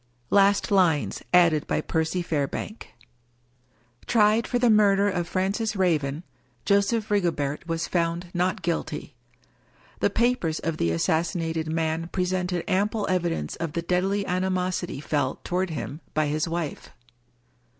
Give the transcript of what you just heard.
272 WUkie Collins LAST LINES. — ^ADDED BY PERCY FAIRBANK Tried for the murder of Francis Raven, Joseph Rigobert was found Not Guilty ; the papers of the assassinated man presented ample evidence of the deadly animosity felt toward him by his wife.